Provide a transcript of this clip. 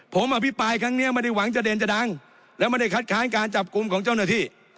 ผมอภิปรายครั้งนี้ไม่ได้หวังจะเด่นจะดังและไม่ได้คัดค้านการจับกลุ่มของเจ้าหน้าที่